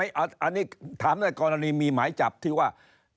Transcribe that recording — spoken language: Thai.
อันนี้ถามในกรณีมีหมายจับที่ว่า